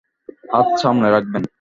হাত সামলে রাখবেন।